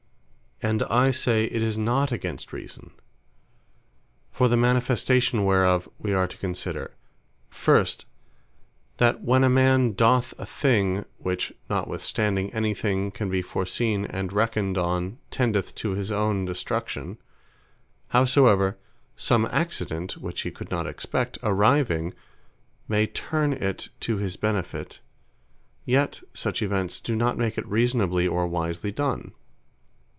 And I say it is not against reason. For the manifestation whereof, we are to consider; First, that when a man doth a thing, which notwithstanding any thing can be foreseen, and reckoned on, tendeth to his own destruction, howsoever some accident which he could not expect, arriving may turne it to his benefit; yet such events do not make it reasonably or wisely done.